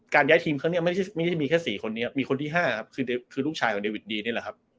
การย้ายทีมครั้งนี้ไม่ได้ไม่ได้มีแค่สี่คนนี้ครับมีคนที่ห้าครับคือคือลูกชายของเดวิดดีนี่แหละครับ